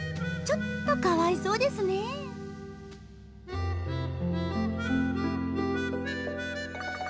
ちょっとかわいそうですねえ